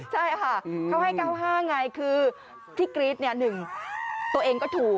ใช่ค่ะเขาให้๙๕ไงคือที่กรี๊ดเนี่ย๑ตัวเองก็ถูก